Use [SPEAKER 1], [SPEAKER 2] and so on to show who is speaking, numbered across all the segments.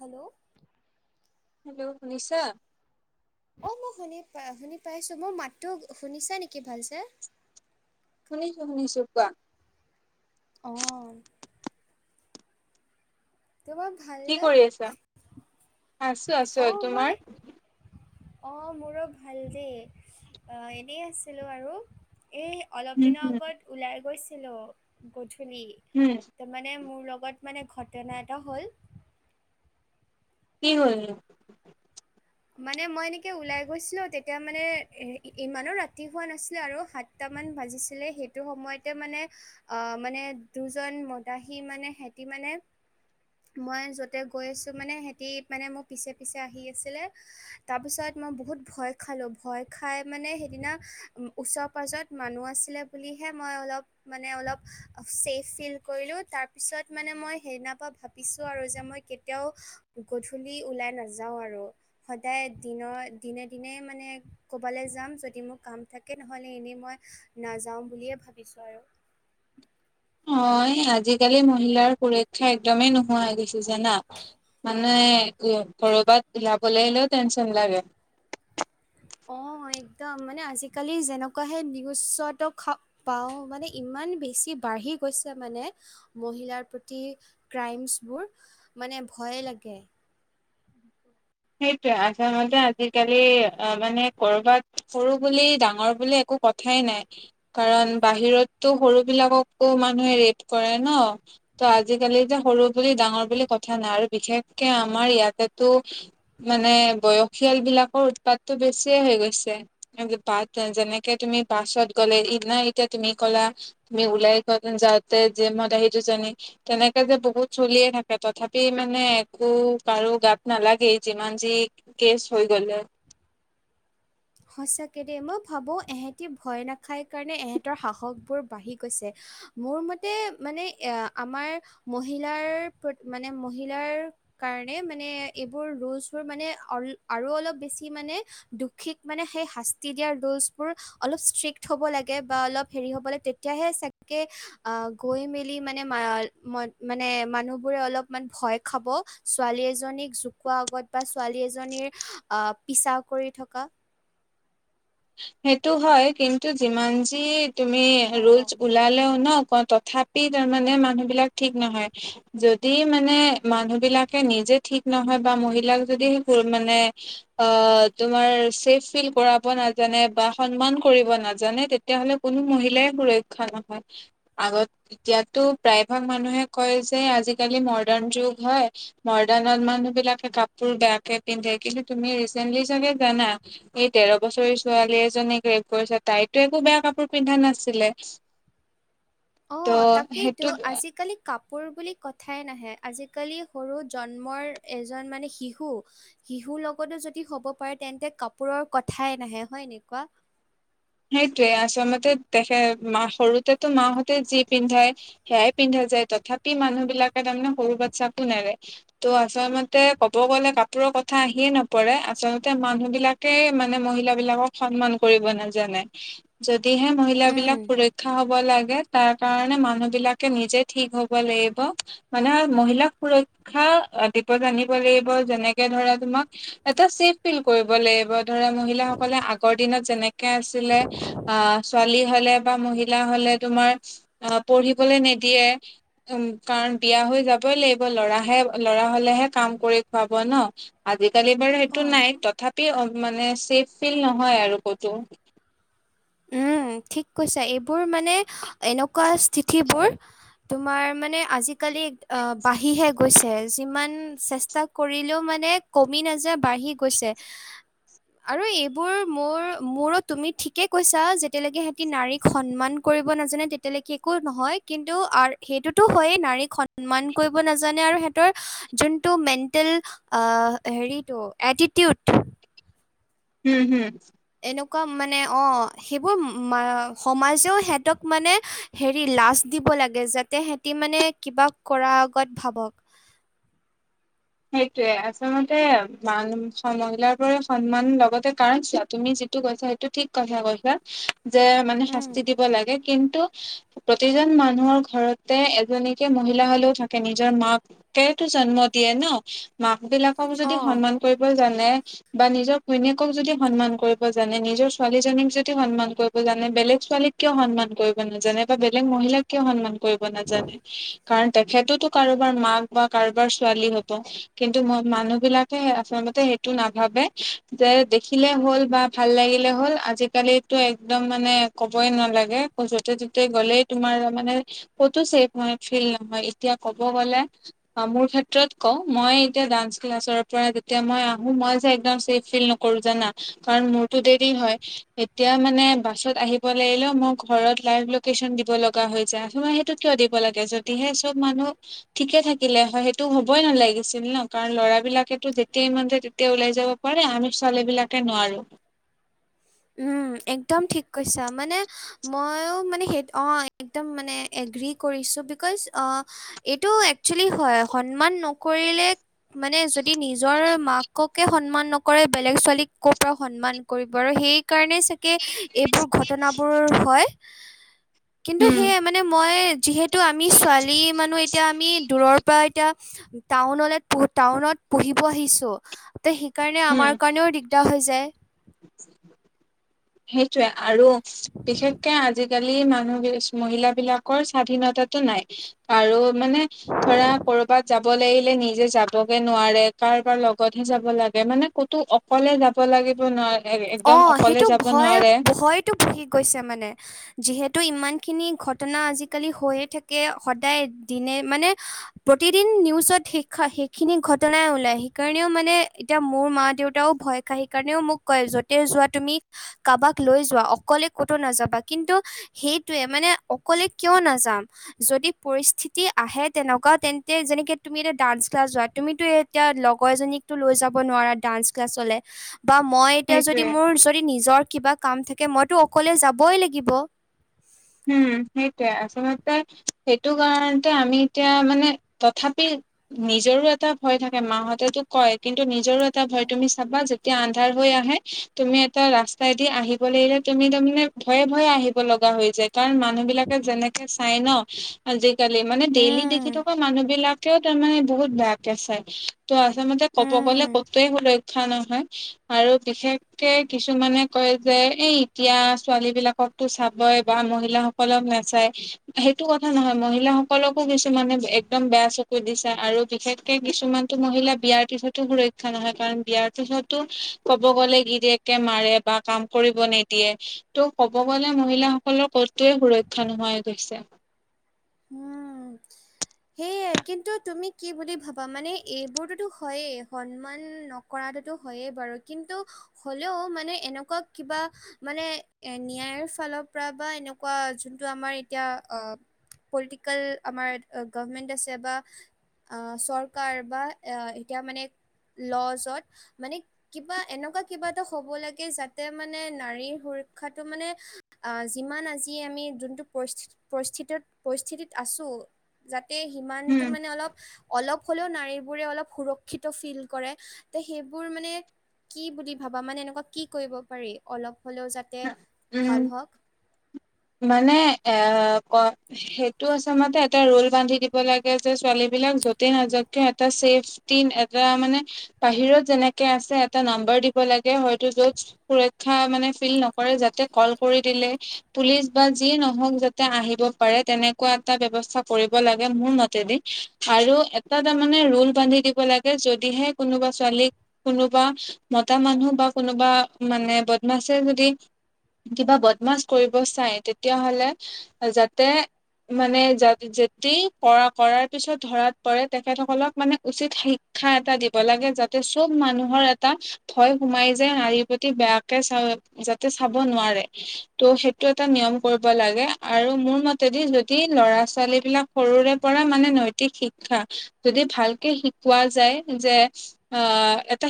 [SPEAKER 1] Hello
[SPEAKER 2] hello শুনিছা?
[SPEAKER 1] অৱ মই শুনি পাই শুনি পাইছো মোৰ মাতো শুনিছা নেকি ভালচে?
[SPEAKER 2] শুনিছো শুনিছো কোৱা।
[SPEAKER 1] অৱ। তোমাৰ ভাল
[SPEAKER 2] কি
[SPEAKER 1] নে?
[SPEAKER 2] কৰি আছা? আছো আছো
[SPEAKER 1] অ মই
[SPEAKER 2] তোমাৰ?
[SPEAKER 1] অ মোৰো ভাল দেই এনেই আছিলো আৰু এই অলপ
[SPEAKER 2] উম
[SPEAKER 1] দিনৰ
[SPEAKER 2] হুম।
[SPEAKER 1] আগত ওলাই গৈছিলো গধূলি।
[SPEAKER 2] উম।
[SPEAKER 1] তাৰ মানে মোৰ লগত মানে ঘটনা এটা হ'ল।
[SPEAKER 2] কি হ'ল নো?
[SPEAKER 1] মানে মই এনেকে ওলাই গৈছিলো তেতিয়া মানে ইমানো ৰাতি হোৱা নাছিলে আৰু সাত দুটামান ভাজিছিলে সেইটো সময়তে মানে আহ মানে দুজন মদাহী মানে সিহতি মানে মই য'তে গৈ আছোঁ মানে সিহঁতি মানে মোৰ পিছে পিছে আহি আছিলে। তাৰপিছত মই বহুত ভয় খালোঁ ভয় খাই মানে সেইদিনা ওচৰ পাঁজত মানুহ আছিলে। বুলিহে মই অলপ মানে অলপ ছেফ ফিল কৰিলোঁ তাৰপিছত মানে মই সেইদিনাৰ পৰা ভাবিছোঁ আৰু যে মই কেতিয়াও গধূলি ওলাই নাযাওঁ আৰু সদায় দিনৰ দিনে দিনে মানে ক'ৰবালৈ যাম যদি মোৰ কাম থাকে নহ'লে এনেই মই নাযাওঁ বুলিয়ে ভাবিছোঁ আৰু।
[SPEAKER 2] হয় আজিকালি মহিলাৰ সুৰক্ষা ক্ষা একদমেই নোহোৱা হৈ গৈছে জানা মানে উ ক'ৰবাত উলাবলৈ আহিলেও টেনচন লাগে।
[SPEAKER 1] অৱ একদম মানে আজিকালি যেনেকুৱাহে নিউজটো খ পাও মানে ইমান বেছি বাঢ়ি গৈছে মানে মহিলাৰ প্ৰতি ক্ৰাইমছবোৰ মানে ভয় লাগে।
[SPEAKER 2] সেইটোয়ে আচামতে আজিকালি অ' মানে কৰ'বাত সৰু বুলি ডাঙৰ বুলি একো কথা কথাই নাই কাৰণ বাহিৰততো সৰু বিলাককো মানুহে ৰেফ কৰে ন'। ত' আজিকালি যে সৰু বুলি ডাঙৰ বুলি কথা নাই আৰু বিশেষকে আমাৰ ইয়াতেতো মানে বয়সীয়াল বিলাকৰ উৎপাতটো বেছিয়ে হৈ গৈছে। বাছ যেনেকে তুমি বাছত গ'লে ই নাই এতিয়া তুমি ক'লা মি উওলাই কৰি যাতে যে মইত হেইটোজনী তেনেকে যে বহুত চলিয়ে থাকে তথাপি মানে একো কাৰু গাত নালাগেই। যিমান যি কেচ হৈ গলেও।
[SPEAKER 1] সঁচাকৈ দেই মই ভাবোঁ এহেতি ভয় নাখায় কাৰণে এহেঁতৰ সাহসবোৰ বাঢ়ি গৈছে। মোৰ মতে মানে এ আমাৰ মহিলাৰ প্ৰতি মানে মহিলাৰ কাৰণে মানে এইবোৰ ৰোলচোৰ মানে আৰু অলপ বেছি মানে দুখিক মানে সেই শাস্তি দিয়া ৰোলচবোৰ অলপ ষ্ট্ৰিক্ট হ'ব লাগে বা অলপ হেৰি হ'ব লাগে তেতিয়াহে চাগে আহ গৈ মেলি মানে মানে মানুহ বোৰে অলপমান ভয় খাব। ছোৱালী এজনীক জোকোৱা আগত বা ছোৱালী এজনীৰ আহ পিছা কৰি থকা।
[SPEAKER 2] সেইটো হয় কিন্তু যিমান যি তুমি ৰোলচ
[SPEAKER 1] অ
[SPEAKER 2] ওলালেও ন ক তথাপি তাৰমানে মানুহ বিলাক ঠিক নহয়। যদি মানে মানুহ বিলাকে নিজে ঠিক নহয় বা মহিলাক যদি সেবোৰ মানে অ' তোমাৰ চেফ ফিল কৰাব না জানে বা সন্মান কৰিব নাজানে তেতিয়াহ'লে কোনো মহিলাই সুৰক্ষা নহয়। আগত এতিয়াতো প্ৰায় ভাগ মানুহে কয় যে আজি-কালি মডাৰ্ণ যুগ হয় মডাৰ্ণৰ মানুহ বিলাকে কাপোৰ বেয়াকে পিন্ধে কিন্তু তুমি ৰিচেন্টলি চাগে জানা এই তেৰ বছৰেই ছো ছোৱালী এজনীক ৰেপ কৰিছে তাইতো একো বেয়া কাপোৰ পিন্ধা নাছিলে। ত'
[SPEAKER 1] অ', তাকেইতো
[SPEAKER 2] সেইটোতে
[SPEAKER 1] আজিকালি কাপোৰ বুলি কথাই নাহে আজি-কালি সৰু জন্মৰ এজন মানে শিশু শিশুৰ লগতো যদি হ'ব পাৰে তেন্তে কাপোৰৰ কথাই নাহে হয় নে কোৱা।
[SPEAKER 2] সেইটোৱে আচলতে দেখে মা সৰুতেতো মাহঁতে যি পিন্ধাই সেয়াই পিন্ধা যায় তথাপি মানুহবিলাকে তাৰমানে সৰু বাচ্ছাকো নেৰে। ত' আচলতে কব গ'লে কাপোৰৰ কথা আহিয়ে নপৰে আচলতে মানুহ বিলাক কে মানে মহিলা বিলাকক সন্মান কৰিব নযা- যানে যদিহে মহিলা
[SPEAKER 1] উম।
[SPEAKER 2] বিলাক সুৰক্ষা হব লাগে তাৰ কাৰণে মানুহ বিলাকে নিজে ঠিক হ'ব লাগিব। মানে মহিলাক সুৰক্ষা দিব জানিব লাগিব যেনেকে ধৰা তোমাক এটা চেফ ফিল কৰিব লাগিব ধৰা মহিলা সকলে আগৰ দিনত যেনে- কেনেকে আছিলে আ ছোৱালী হ'লে বা মহিলা হ'লে তোমাৰ অ পঢ়িবলে নিদিয়ে। উম কাৰণ বিয়া হৈ যাবই লাগিব লৰাহে ল'ৰা হলেহে কাম কৰি খুৱাব ন। আজি-কালি বাৰু সেইটো
[SPEAKER 1] অ'।
[SPEAKER 2] নাই তথাপি মানে চেফ ফিল নহয় আৰু কতো।
[SPEAKER 1] উম ঠিক কৈছা এইবোৰ মানে এনেকুৱা স্থিতিবোৰ তোমাৰ মানে আজিঢ-কালি আ বাঢ়িহে গৈছে যিমান চেষ্টা কৰিলেও মানে কমি নাযায় বাঢ়ি গৈছে। আৰু এইবোৰ মোৰ মোৰো তুমি ঠিকে কৈছা যেতিয়ালৈকে সিহঁতি নাৰীক সন্মান কৰিব নাজানে তেতিয়ালৈকে একো নহয় কিন্তু আৰ- সেইটোতো হয়েই নাৰীক সন্মান কৰিব নাজানে আৰু সিহঁতৰ যোনটো মেণ্টেল আ হেৰিটো এটিটিউড
[SPEAKER 2] হম, হুম
[SPEAKER 1] এনেকুৱা মানে অ' সেইবোৰ মা সমাজেও সিহঁতক মানে হেৰি লাজ দিব লাগে যাতে সিহঁতি মানে কিবা কৰাৰ আগত ভাবক।
[SPEAKER 2] সেইটোয়ে আচলতে মান মহিলাৰ পৰাই সন্মান লগতে কাৰণ চোৱা তুমি যে- যিটো কৈছা সেইটো ঠিক কথা কৈছা যে মানে শাস্তি দিব লাগে। কিন্তু প্ৰতিজন মানুহৰ ঘৰতে এজনীকে মহিলা হলেও থাকে নিজৰ মা- কেটো জন্ম দিয়ে ন মাক বিলাকক যদি
[SPEAKER 1] অঁ
[SPEAKER 2] সন্মান কৰিব জানে বা নিজৰ ঘৈণীয়েকক যদি সন্মান কৰিব জানে, নিজৰ ছোৱালী জনীক যদি সন্মান কৰিব জানে বেলেগ ছোৱালীক কিয় সন্মান কৰিব নাজানে বা বেলেগ মহিলাক কিয় সন্মান, কৰিব নাজানে কাৰণ তেখেতেতো কাৰোবাৰ মাক বা কাৰোবাৰ ছোৱালী হ'ব। কিন্তু ম মানুহ বিলাকে আচলতে সেইটো নাভাবে যে দেখিলে হ'ল বা ভাল লাগিলে হ'ল আজি-কালিটো একদম মানে ক'বই নালাগে য'তে ত'তে গ'লেই তোমাৰ মানে ক'তো চেফ নহয় ফিল নহয় এতিয়া ক'ব গ'লে মোৰ ক্ষেত্ৰত কওঁ মই এতিয়া ডান্স ক্লাছৰ পৰা যেতিয়া মই আহোঁ। মই যে একদম ছেফ ফিল নকৰো জানা? [unintelligible] কাৰণ মোৰটো দেৰি হয়। [inaudible] এতিয়া মানে বাছত আহিব লাগিলেও মোৰ ঘৰত লাইভ লোকেচন দিব লগা হৈ যায়। [unintelligible] সেইটো কিয় দিব লাগে যদিহে চব মানুহ ঠিকে থাকিলে হয়, সেইটো [unintelligible] হবই নালাগিছিল ন? কাৰণ লৰা বিলাকেতো যেতিয়াই মন যায় তেতিয়া ওলাই যাব পাৰে। আমি ছোৱালীবিলাকে নোৱাৰো। [unintelligible]
[SPEAKER 1] উম! একদম ঠিক কৈছা মানে [unintelligible] ময়ো মানে সেইটো অ একদম মানে এগ্ৰী কৰিছো বিকজ অঁ [unintelligible] এইটো একচুৱেলি হয় সন্মান নকৰিলে [unintelligible] মানে যদি নিজৰ মাককে সন্মান নকৰে, বেলেগ ছোৱালীক কৰ পৰা সন্মান কৰিব আৰু সেই [unintelligible] কাৰণে চাগেবোৰ এইবোৰ ঘটনাবোৰ হয়। [unintelligible] কিন্তু
[SPEAKER 2] উম
[SPEAKER 1] সেয়ে মানে মই যিহেতু আমি ছোৱালী মানুহ এতিয়া আমি দূৰৰ পৰা এতিয়া [unintelligible] [unintelligible] টাউনলৈ টাউনত পঢ়িব আহিছোঁ। [unintelligible] সেইকাৰণে
[SPEAKER 2] উম
[SPEAKER 1] আমাৰ কাৰণেও দিগদাৰ হৈ যায়।
[SPEAKER 2] সেইটোৱেই আৰু বিশেষকে আজি [unintelligible] আজিকালি মানুহ মহিলা বিলাকৰ স্বাধীনতাটো নাই। [unintelligible] আৰু মানে ধৰা কৰ'বাত যাব [inaudible] যাব লাগিলে নিজে যাবগে নোৱাৰে। কাৰোবাৰ লগতহে যাব লাগ [unintelligible] লাগে। মানে ক'তো অকলে যাব লাগিব নোৱাৰে। [unintelligible]
[SPEAKER 1] অঁ,
[SPEAKER 2] অকলে
[SPEAKER 1] সেইটো
[SPEAKER 2] যাব নোৱাৰে
[SPEAKER 1] ভয়-ভয়তো বাঢ়ি গৈছে মানে। [unintelligible] যিহেতু ইমানখিনি ঘটনা আজিকালি হৈয়ে থাকে। সদায়, দিনে মানে [unintelligible] প্ৰতিদিন নিউজত [unintelligible] সেইখিনি ঘটনাই ওলাই। সেইকাৰণেও মানে এতিয়া মোৰ মা-দেউতাও ভয় [inaudible] খায়। সেই কাৰণেও মোক কয় য'তে যোৱা তুমি কাৰোবাক লৈ যোৱা অকলে ক'তো নাযাবা। কিন্তু [unintelligible] সেইটোৱে মানে অকলে কিয় নাযাম? [inaudible] যদি পৰিস্থিতি আহে তেনেকুৱা তেন্তে যেনেকে তুমি এতিয়া ডান্স ক্লাছ যোৱা তুমিতো [unintelligible] এতিয়া লগৰ এজনীকতো লৈ যাব নোৱাৰা ডান্স ক্লাছলে বা মই [inaudible] এতিয়া যদি
[SPEAKER 2] সেইটোয়ে
[SPEAKER 1] মোৰ যদি নিজৰ কিবা কাম থাকে মইতো অকলে যাবই লাগিব। [unintelligible]
[SPEAKER 2] উম! সেইটোৱেই আচলতে সেইটো কাৰণতে আমি এতিয়া মানে তথাপি [unintelligible] নিজৰো এটা ভয় থাকে। মাহঁতেতো কয় কিন্তু নিজৰো এটা ভয়। তুমি চাবা [unintelligible] এতিয়া আন্ধাৰ হৈ আহে, তুমি এটা ৰাস্তাইদি আহিব লাগিলে, তুমি তাৰমানে ভয়ে-ভয়ে আহিব [unintelligible] আহিব লগা হৈ যায়। [inaudible] কাৰণ মানুহবিলাকে যেনেকে চাই ন' আজিকালি? মানে ডেইলি
[SPEAKER 1] উম,
[SPEAKER 2] দেখি থকা মানুহবিলাক [unintelligible] [unintelligible] এতিয়াও তাৰমানে বহুত বেয়াকে চাই। ত' আচলতে ক'ব গ'লে
[SPEAKER 1] উম,
[SPEAKER 2] ক'তোৱেই সুৰক্ষ [unintelligible] [unintelligible] সুৰক্ষা নহয় আৰু বিশেষকে কিছুমানে কয় যে এই এতিয়া ছোৱালীবিলাকক [inaudible] [unintelligible] চাবই বা মহিলাসকলক নাচায়। সেইটো কথা নহয় মহিলাসকলকো কিছুমানে একদম বেয়া চকুই দি চাই আৰু বিশেষ [unintelligible] কিছুমানতো মহিলা বিয়াৰ পিছতো সুৰক্ষা নহয়। কাৰণ বিয়াৰ পিছতো ক'ব গ'লে গিৰিয়েক [inaudible] মাৰে বা কাম কৰিব নিদিয়ে ত ক'ব গলে মহিলা [unintelligible] সকলৰ কতোৱেই সুৰক্ষা নোহোৱা হৈ গৈছে। [unintelligible]
[SPEAKER 1] উম। [inaudible] সেয়াই কিন্তু তুমি কি বুলি ভাবা মানে এইবোৰতো হয়েই সন্মান [unintelligible] কৰাটোতো হয়েই বাৰু কিন্তু হ'লেও মানে এনেকুৱা কিবা [unintelligible] মানে এ ন্যায়ৰ ফালৰ পৰা বা এনেকুৱা যোনটো আমাৰ এতিয়া অঁ [unintelligible] পলিটিকেল আমাৰ গভমেন্ট আছে বা [unintelligible] অঁ! চৰকাৰ বা এ এতিয়া মানে ল'জত [unintelligible] মানে কিবা এনেকুৱা কিবা এটা হ'ব লাগে যাতে মানে নাৰীৰ সুৰক্ষাটো মানে [unintelligible] অ' যিমান আজি আমি যোনটো পৰিস্থি পৰিস্থিতিত- পৰিস্থিতিত আছো যাতে সিমানটো
[SPEAKER 2] উম
[SPEAKER 1] মানে অলপ অলপ- হ'লেও নাৰীবোৰে অলপ সুৰক্ষিত ফিল কৰে ত' সেইবোৰ মানে- কি বুলি ভাবা মানে এনেকুৱা কি কৰিব পাৰি অলপ হ'লেও যাতে
[SPEAKER 2] উম
[SPEAKER 1] ভাল হওঁক।
[SPEAKER 2] মানে এ ক- সেইটো আচলতে এটা ৰোল বান্ধি দিব লাগে যে ছোৱালী বিলাক যতেই নাযকে এটা ছেফ- টিন এটা মানে বাহিৰত যেনেকে আছে এটা নাম্বাৰ দিব লাগে হয়তো য'ত- সুৰক্ষা মানে ফিল নকৰে যাতে কল কৰি দিলে- পুলিচ বা যি নহওঁক যাতে আহিব পাৰে তেনেকুৱা এটা ব্যৱস্থা কৰিব লাগে মোৰ মতেদি। আৰু এটা তাৰমানে ৰোল বান্ধি দিব লাগে যদিহে কোনোবা ছোৱালীক- কোনোবা মতা মানুহ বা কোনোবা মানে বদমাছে যদি। কিবা বদমাছ কৰিব চাই তেতিয়াহ'লে যাতে- মানে যেতি কৰা কৰাৰ পিছত ধৰাত পৰে তেখেতসকলক মানে উচিত শি- ক্ষা এটা দিব লাগে যাতে চব মানুহৰ এটা- ভয় সোমাই যোয় নাৰীৰ প্ৰতি বেয়াকে চা যাতে চাব নোৱাৰে। ত' সেইটো এটা নিয়ম কৰিব লাগে আৰু মোৰ মতেদি যদি ল'ৰা ছোৱালী বিলাক- সৰুৰে পৰা মানে নৈতিক শিক্ষা যদি ভালকে শিকোৱা যায় যে- অ' এটা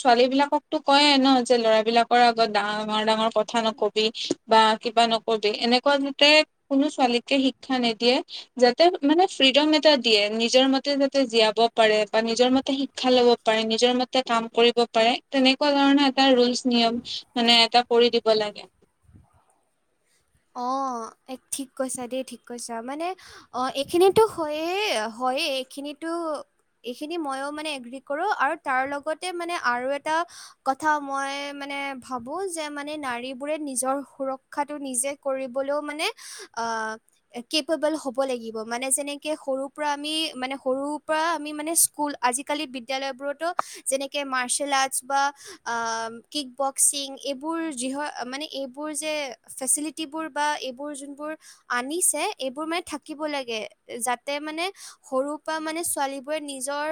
[SPEAKER 2] ছোৱালী বিলাকতো কয় ন' যে ল'ৰা বিলাকৰ আগত ডাঙৰ ডাঙৰ- কথা নকবি। বা কিবা নকবি এনেকুৱা যতে কোনো ছোৱালীকে শিক্ষা নিদিয়ে। যাতে মানে ফ্ৰীডম এটা দিয়ে নিজৰ মতে- যাতে জীয়াব পাৰে বা নিজৰ মতে শিক্ষা ল'ব পাৰে নিজৰ মত- তে কাম কৰিব পাৰে তেনেকুৱা ধৰণে এটা ৰুলচ নিয়ম মানে এটা কৰি দিব লাগে।
[SPEAKER 1] অঁ' এক ঠিক কৈছা দেই ঠিক কৈছা মানে- অঁ' এইখিনোতো হয়ে হয়েই এইখিনিতো- এইখিনি ময়ো মানে এগ্ৰী কৰোঁ আৰু তাৰ লগতে মানে আৰু এটা- কথা মই মানে ভাবো যে মানে নাৰী বোৰে নিজৰ সুৰক্ষাটো নিজে- কৰিবলৈও মানে অঁ'। কেপেবল হ'ব লাগিব মানে যেনেকে সৰুৰ পৰা আমি মানে সৰু পৰা আমি মানে স্কুল- আজিকালি বিদ্যালয়বোৰতো যেনেকৈ মাৰ্চেল আৰ্টছ বা- অ' কিক বক্সিং এইবোৰ যি হয় মানে এইবোৰ যে ফেছেলিটি- টি বোৰ বা এইবোৰ যোনবোৰ আনিছে এইবোৰ মানে থাকিব লাগে যাতে মানে- সৰু পৰা মানে ছোৱালীবোৰে নিজৰ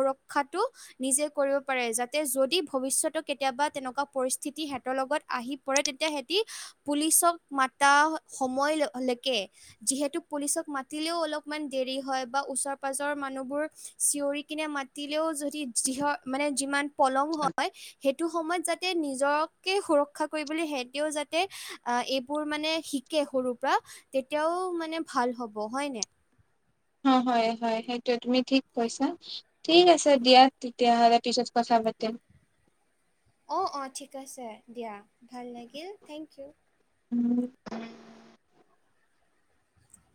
[SPEAKER 1] সুৰক্ষাটো- নিজে কৰিব পাৰে যাতে যদি ভৱিষ্যত কেতিয়াবা তেনেকুৱা পৰিস্থিতি সিহঁতৰ লগত আহি- পৰে তেতিয়া সেতি পুলিচক মাতা সময় লকে- যিহেতু পুলিচক মাতিলেও অলপমান দেৰি হয় বা ওচৰ পাজৰ মানুহবোৰ চিঞৰি কিনে মাত- তি লেও যদি যিহ মানে যিমান পলম হয় সেই- সেইটো সময়ত যাতে নিজকে সুৰক্ষা কৰিবলৈ হেতেও যাতে এই আহ- বোৰ মানে শিকে সৰুৰ পৰা তেতিয়াও মানে ভাল হ'ব হয়নে।
[SPEAKER 2] অ হয় হয় সেইটোৱে তুমি ঠিক কৈছা। ঠিক আছে দিয়া তেতিয়াহ'লে পিছত কথা পাতিম।
[SPEAKER 1] অ', অ', ঠিক আছে দিয়া ভাল লাগিল থেংক ইউ।
[SPEAKER 2] উম।